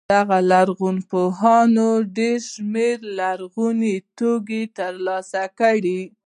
دغو لرغونپوهانو ډېر شمېر لرغوني توکي تر لاسه کړي.